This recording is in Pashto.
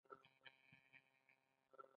چې له خپل ځان، اتصال شوم